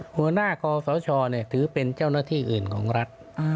หัวหน้าคอสชถือเป็นเจ้าหน้าที่อื่นของรัฐ